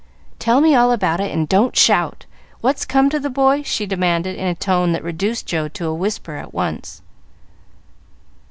"Tell me all about it, and don't shout. What's come to the boy?" she demanded, in a tone that reduced Joe to a whisper at once.